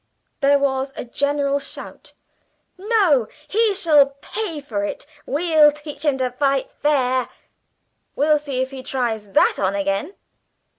There was a general shout. "No; he shall pay for it! We'll teach him to fight fair! We'll see if he tries that on again!"